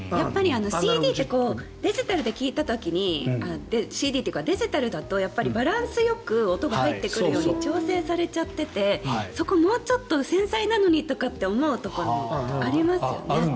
ＣＤってデジタルで聴いた時にＣＤというかデジタルだとバランスよく音が入ってくるように調整されちゃっててそこ、もうちょっと繊細なのにとかって思うところもありますよね。